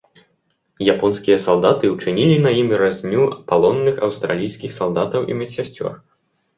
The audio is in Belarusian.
Японскія салдаты учынілі на ім разню палонных аўстралійскіх салдатаў і медсясцёр.